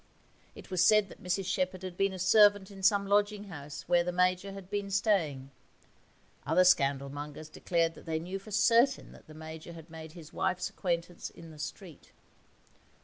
It was said that Mrs Shepherd had been a servant in some lodging house where the Major had been staying; other scandal mongers declared that they knew for certain that the Major had made his wife's acquaintance in the street.